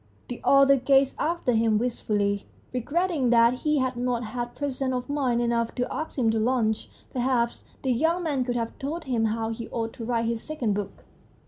The author gazed after him wistfully, regretting that he had not had presence of mind enough to ask him to lunch. Perhaps the young man could have told him how he ought to write his second book.